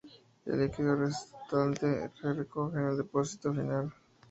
El líquido resultante se recoge en el depósito final.